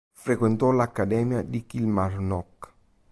Frequentò l'Accademia di Kilmarnock.